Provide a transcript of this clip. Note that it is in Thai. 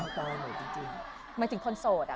หมายถึงคนโสดอ่ะ